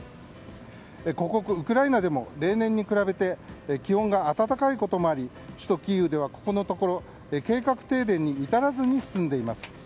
ここウクライナでも例年に比べて気温が暖かいこともあり首都キーウでは、このところ計画停電に至らずに済んでいます。